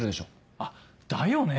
あっだよね！